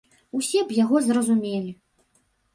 Усе б яго зразумелі.